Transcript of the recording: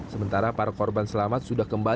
sementara para korban selamat sudah kembali